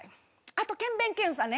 あと検便検査ね。